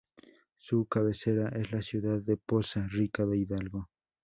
Su cabecera es la ciudad de Poza Rica de Hidalgo.